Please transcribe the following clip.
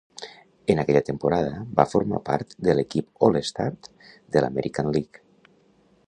En aquella temporada va formar part de l'equip All-Star de l'American League.